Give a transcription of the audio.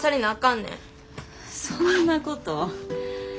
そんなこと。